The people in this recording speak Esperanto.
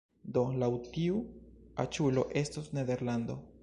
Do laŭ tiu aĉulo estos Nederlando